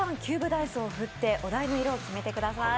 ダイスを振ってお題の色を決めてください。